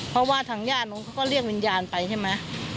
เพราะว่าทางย่านเขาก็เรียกวิญญาณไปใช่มะ